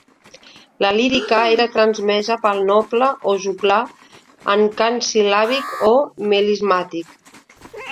La lírica era transmesa pel noble o joglar en cant sil·làbic o melismàtic.